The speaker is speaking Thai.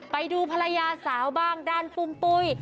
ไปดูภรรยาสาวบ้างด้านปุ้มปุ้ย